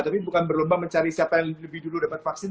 tapi bukan berlomba mencari siapa yang lebih dulu dapat vaksin